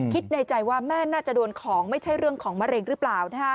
คิดในใจว่าแม่น่าจะโดนของไม่ใช่เรื่องของมะเร็งหรือเปล่า